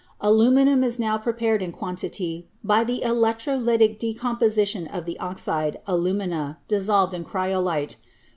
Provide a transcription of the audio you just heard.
Aluminium is now prepared in quan tity by the electrolytic decomposition of the oxide, alu mina, dissolved in cryolite.